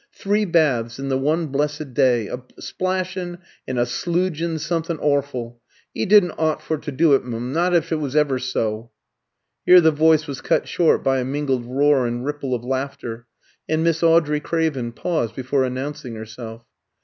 "Three baths in the one blessed dy, a splashin' and a sloogin' somethin' orful 'e didn't ought for to do it, m'm, not if it was ever so!" Here the voice was cut short by a mingled roar and ripple of laughter, and Miss Audrey Craven paused before announcing herself.